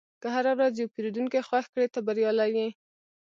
که هره ورځ یو پیرودونکی خوښ کړې، ته بریالی یې.